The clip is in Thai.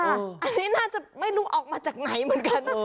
อันนี้น่าจะไม่รู้ออกมาจากไหนเหมือนกัน